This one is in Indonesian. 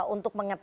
untuk mengetes gitu